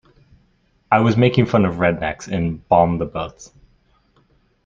I was making fun of rednecks in "Bomb the Boats".